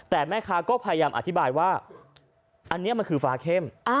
แต่แม่ค้าก็พยายามอธิบายว่าอันนี้มันคือฟ้าเข้ม